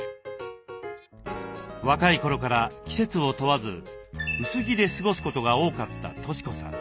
若い頃から季節を問わず薄着で過ごすことが多かった俊子さん。